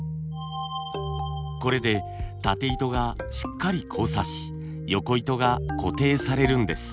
これでたて糸がしっかり交差しよこ糸が固定されるんです。